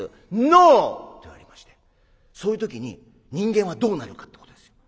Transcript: ノー！」って言われましてそういう時に人間はどうなるかってことですよ。